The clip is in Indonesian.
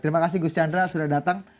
terima kasih gus chandra sudah datang